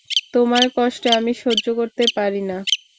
তোমার কষ্ট আমি সহ্য করতে পারি না।